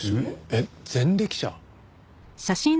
えっ前歴者？